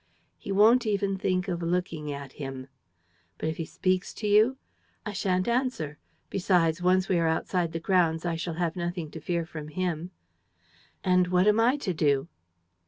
"He won't even think of looking at him." "But if he speaks to you?" "I shan't answer. Besides, once we are outside the grounds, I shall have nothing to fear from him." "And what am I to do?"